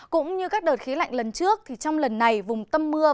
cũng như các đợt khí lạnh lần trước thì trong lần này vùng tâm mưa